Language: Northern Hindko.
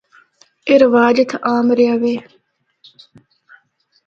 اے رواج اتھا عام رہیا وے۔